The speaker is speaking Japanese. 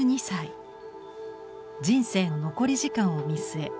人生の残り時間を見据え